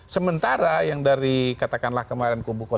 sementara yang dari katakanlah kemarin kubu dua